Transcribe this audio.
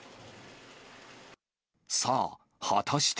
さあ、果たして？